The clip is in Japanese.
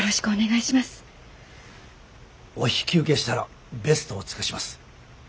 お引き受けしたらベストを尽くします。